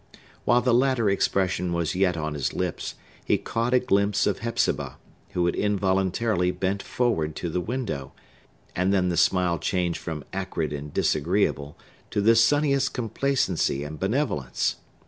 While the latter expression was yet on his lips, he caught a glimpse of Hepzibah, who had involuntarily bent forward to the window; and then the smile changed from acrid and disagreeable to the sunniest complacency and benevolence.